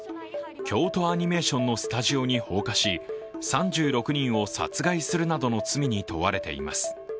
京都アニメーションのスタジオに放火し３６人を殺害するなどの罪に問われています。